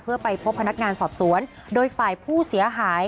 เพื่อไปพบพนักงานสอบสวนโดยฝ่ายผู้เสียหาย